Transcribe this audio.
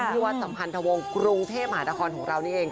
ที่วัดสัมพันธวงศ์กรุงเทพมหานครของเรานี่เอง